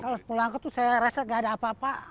kalau polanco tuh saya rasa gak ada apa apa